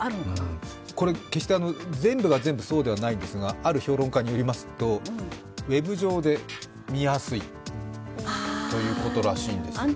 決して全部が全部そうではないんですが、ある評論家によりますとウェブ上で見やすいということらしいんですよね。